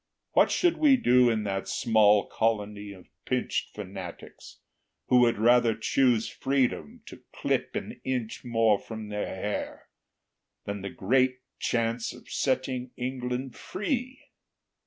"What should we do in that small colony Of pinched fanatics, who would rather choose Freedom to clip an inch more from their hair, Than the great chance of setting England free?